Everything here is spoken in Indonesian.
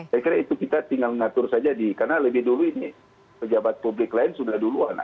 saya kira itu kita tinggal ngatur saja di karena lebih dulu ini pejabat publik lain sudah duluan